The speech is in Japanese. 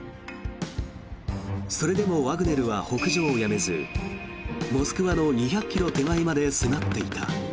それでもワグネルは北上をやめずモスクワの２００ｋｍ手前まで迫っていた。